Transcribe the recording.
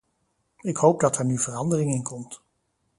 Ik hoop dat daar nu verandering in komt.